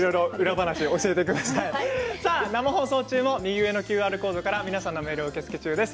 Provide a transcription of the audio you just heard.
生放送中も右上のＱＲコードから皆さんのメールを受け付け中です。